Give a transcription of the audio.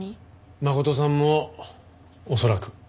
真琴さんも恐らく。